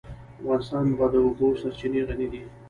افغانستان په د اوبو سرچینې غني دی.